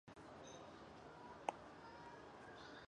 英国国王乔治六世委任反对绥靖的邱吉尔出任首相。